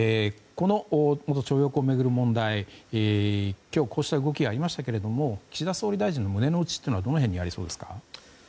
元徴用工を巡る問題で今日こうした動きがありましたが岸田総理大臣の胸の内はどの辺にありそうですか。